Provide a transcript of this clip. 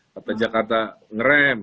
kata jakarta ngeram